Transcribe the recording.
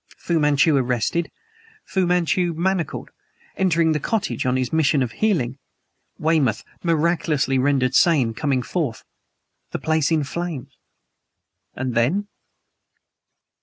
Fu Manchu arrested Fu Manchu, manacled, entering the cottage on his mission of healing; Weymouth, miraculously rendered sane, coming forth; the place in flames. And then?